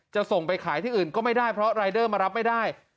ส่งไปขายที่อื่นก็ไม่ได้เพราะรายเดอร์มารับไม่ได้